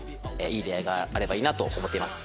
いい出会いがあればいいなと思っています。